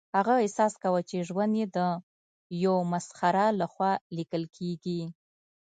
هغه احساس کاوه چې ژوند یې د یو مسخره لخوا لیکل کیږي